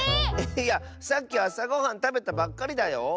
いやさっきあさごはんたべたばっかりだよ！